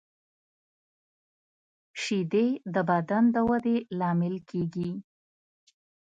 شیدې د بدن د ودې لامل کېږي